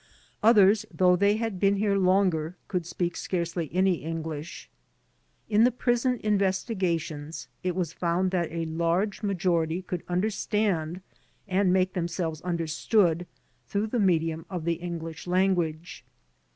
Others, though they had been here longer, could speak scarcely any English. In the prison investigations it was found that 3L large majority could understand and make themselves understood through the medium of the English language.